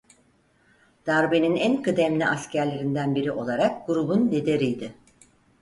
Darbenin en kıdemli askerlerinden biri olarak grubun lideriydi.